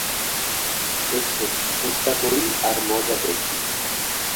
S, চেষ্টা করি আর মজা দেখি।